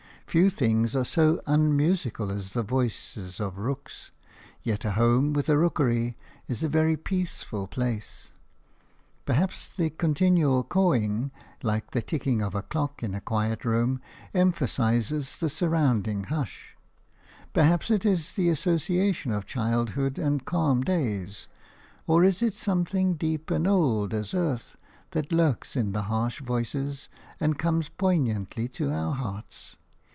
Few things are so unmusical as the voices of rooks, yet a home with a rookery is a very peaceful place. Perhaps the continual cawing, like the ticking of a clock in a quiet room, emphasises the surrounding hush; perhaps it is the associations of childhood and calm days; or is it something deep and old as earth that lurks in the harsh voices and comes poignantly to our hearts?